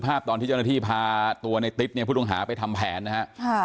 ภาพตอนที่เจ้าหน้าที่พาตัวในติ๊ดเนี่ยผู้ต้องหาไปทำแผนนะฮะ